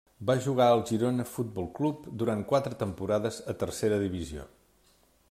Va jugar al Girona Futbol Club durant quatre temporades a tercera divisió.